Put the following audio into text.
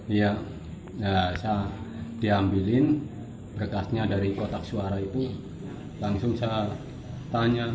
iya saya diambilin berkasnya dari kotak suara itu langsung saya tanya